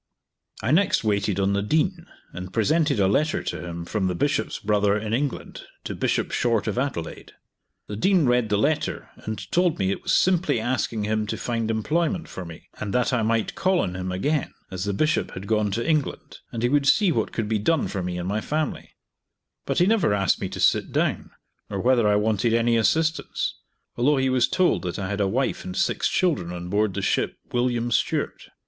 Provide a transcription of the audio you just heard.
I next waited on the Dean, and presented a letter to him from the Bishop's brother in England to Bishop Short of Adelaide. The Dean read the letter and told me it was simply asking him to find employment for me, and that I might call on him again, as the Bishop had gone to England, and he would see what could be done for me and my family; but he never asked me to sit down, or whether I wanted any assistance, although he was told that I had a wife and six children on board the ship "William Stuart."